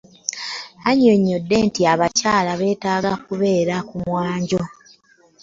Annyonnyodde nti abakyala beetaaga kubeera ku mwanjo.